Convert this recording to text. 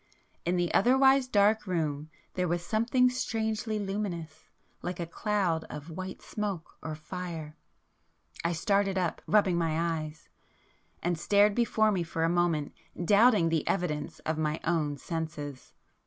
In the otherwise dark room there was something strangely luminous, like a cloud of white smoke or fire. I started up, rubbing my eyes,—and stared before me for a moment, doubting the evidence of my own senses.